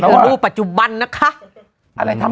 เป็นลูกปัจจุบันนะคะ